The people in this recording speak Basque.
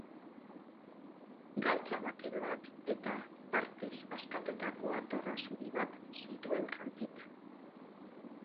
Galtza bakeroak eta partez askatutako atorra zuri bat zituen jantzita.